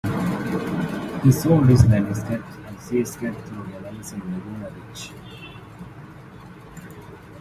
He sold his landscapes and seascapes through galleries in Laguna Beach.